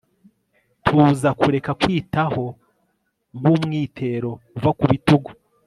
Tuza kureka kwitaho nkumwitero uva ku bitugu